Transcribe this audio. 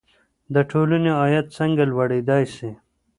د ټولني عاید څنګه لوړېدای سي؟